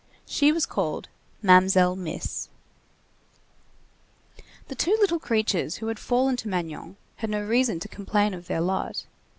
She was called Mamselle Miss. The two little creatures who had fallen to Magnon had no reason to complain of their lot.